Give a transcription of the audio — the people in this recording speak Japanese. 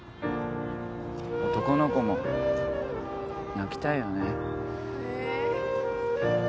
男の子も泣きたいよね。